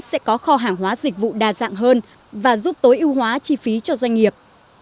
sẽ có kho hàng hóa dịch vụ đa dạng hơn và giúp tối ưu hóa chi phí cho doanh nghiệp